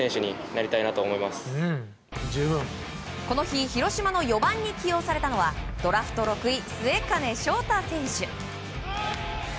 この日広島の４番に起用されたのはドラフト６位、末包昇大選手。